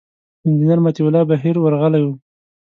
انجینر مطیع الله بهیر ورغلي و.